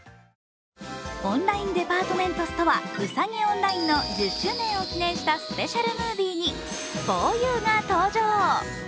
オンラインデパートメントストア、「ＵＳＡＧＩＯＮＬＩＮＥ」の１０周年を記念したスペシャルムービーにふぉゆが登場。